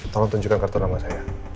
tolong tunjukkan kartu nama saya